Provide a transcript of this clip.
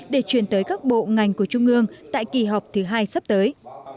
để chuyển tới các bộ ngành của trung ương tại kỳ họp thứ hai sắp tới